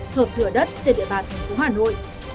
hợp thửa đất trên địa bàn tp hà nội